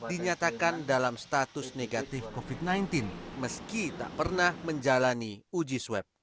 dinyatakan dalam status negatif covid sembilan belas meski tak pernah menjalani uji swab